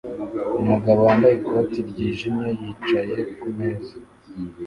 Umugabo wambaye ikoti ryijimye yicaye kumez